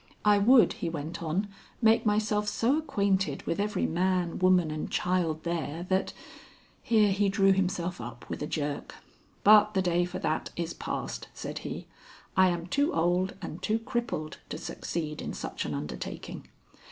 "I would," he went on, "make myself so acquainted with every man, woman, and child there, that " Here he drew himself up with a jerk. "But the day for that is passed," said he. "I am too old and too crippled to succeed in such an undertaking.